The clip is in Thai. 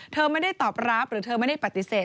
เธอไม่ได้ตอบรับหรือเธอไม่ได้ปฏิเสธ